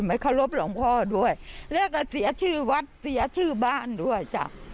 เคารพหลวงพ่อด้วยแล้วก็เสียชื่อวัดเสียชื่อบ้านด้วยจ้ะ